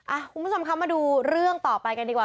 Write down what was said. คุณผู้ชมคะมาดูเรื่องต่อไปกันดีกว่า